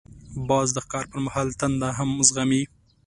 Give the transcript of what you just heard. باز د ښکار پر مهال تنده هم زغمي